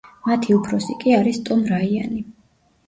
მათი უფროსი კი არის ტომ რაიანი.